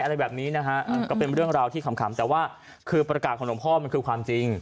อะไรแบบนี้นะฮะก็เป็นเรื่องราวที่ขำแต่ว่าคือประกาศของหลวงพ่อมันคือความจริง